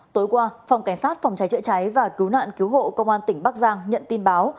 tối qua phòng cảnh sát phòng cháy chữa cháy và cứu nạn cứu hộ công an tỉnh bắc giang nhận tin báo